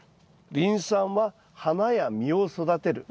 リン酸は花や実を育てる。